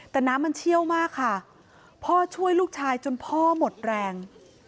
แต่น้ำมันเชี่ยวมากค่ะพ่อช่วยลูกชายจนพ่อหมดแรง